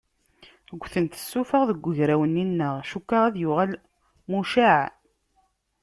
Ggtent tsufaɣ deg ugraw-nni-nneɣ, cukkeɣ ad yuɣal mucaɛ.